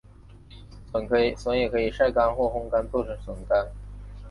笋也可以晒干或烘干做成笋干。